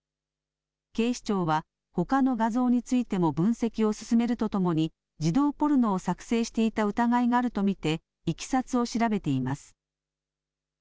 警視庁はほかの画像についても分析を進めるとともに児童ポルノを作成していた疑いがあると見ていきさつを調べています。